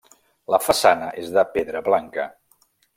La façana és de pedra blanca.